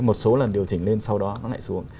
một số lần điều chỉnh lên sau đó nó lại xuống